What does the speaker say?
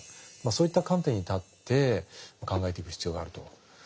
そういった観点に立って考えていく必要があると。